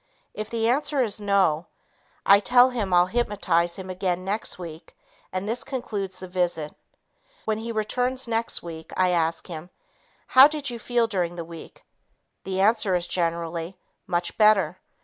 If the answer is, "No," I tell him I'll "hypnotize" him again next week and this concludes the visit. When he returns next week, I ask him, "How did you feel during the week?" The answer is generally, "Much better."